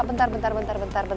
bentar bentar bentar bentar